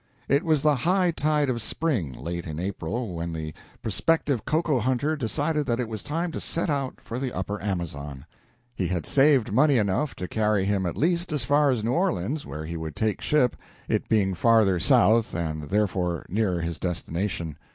It was the high tide of spring, late in April, when the prospective cocoa hunter decided that it was time to set out for the upper Amazon. He had saved money enough to carry him at least as far as New Orleans, where he would take ship, it being farther south and therefore nearer his destination.